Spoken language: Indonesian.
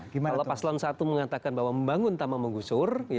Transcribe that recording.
kalau paslon satu mengatakan bahwa membangun tanpa menggusur